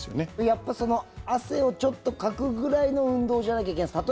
やっぱり汗をちょっとかくぐらいの運動じゃなきゃいけないんですか？